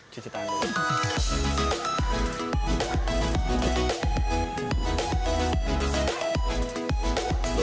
cuci tangan dulu